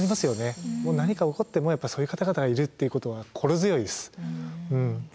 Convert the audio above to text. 何か起こってもやっぱそういう方々がいるっていうことは心強いです。